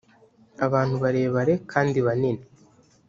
abantu barebare kandi banini